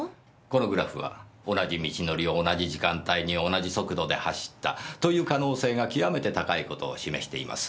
このグラフは同じ道のりを同じ時間帯に同じ速度で走ったという可能性が極めて高い事を示しています。